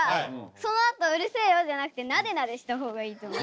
そのあと「うるせえよ！」じゃなくてなでなでした方がいいと思う。